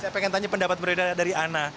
saya pengen tanya pendapat beredar dari ana